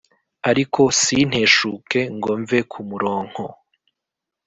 Ariko sinteshuke ngo mve kumuronko